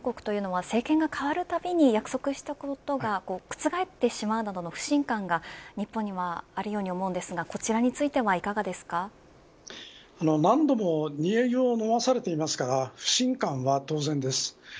韓国というのは、政権が代わるたびに約束したことが覆ってしまうなどの不信感が日本にはあるように思いますが何度も煮え湯を飲まされていますから不信感は当然です。